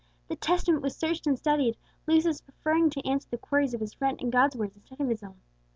The Testament was searched and studied, Lucius preferring to answer the queries of his friend in God's words instead of his own.